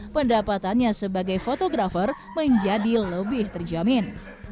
pendapatannya sebagai fotografer menjadi lebih terjamin